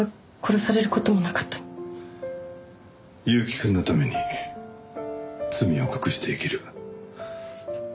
祐希くんのために罪を隠して生きる。